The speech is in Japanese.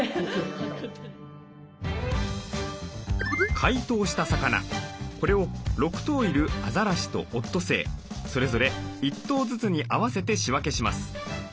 解凍した魚これを６頭いるアザラシとオットセイそれぞれ１頭ずつに合わせて仕分けします。